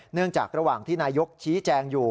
เนื่องจากระหว่างที่นายกชี้แจงอยู่